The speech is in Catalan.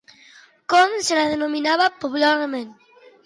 Com se la denominava, popularment?